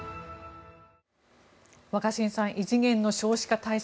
若新さん異次元の少子化対策